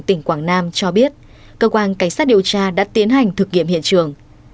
tỉnh quảng nam cho biết cơ quan cảnh sát điều tra đã tiến hành thực nghiệm hiện trường